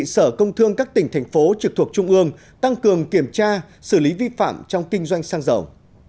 sở công thương các tỉnh thành phố trực thuộc trung ương tăng cường kiểm tra xử lý vi phạm trong kinh doanh xăng dầu